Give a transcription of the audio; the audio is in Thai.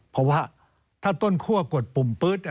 เพราะว่าถ้าต้นคั่วกดปุ่มปื๊ด